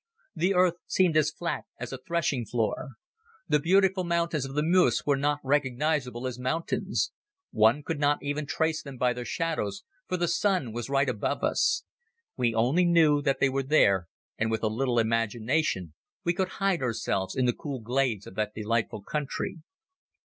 The earth seemed as flat as a threshing floor. The beautiful mountains of the Meuse were not recognizable as mountains. One could not even trace them by their shadows, for the sun was right above us. We only knew that they were there and with a little imagination we could hide ourselves in the cool glades of that delightful country.